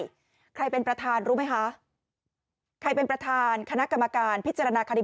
ใครเป็นประธานรู้ไหมคะใครเป็นประธานคณะกรรมการพิจารณาคดี